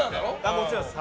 もちろんです。